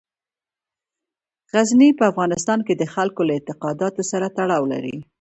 غزني په افغانستان کې د خلکو له اعتقاداتو سره تړاو لري.